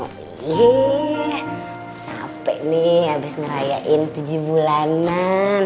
oh iya capek nih abis ngerayain tujuh bulanan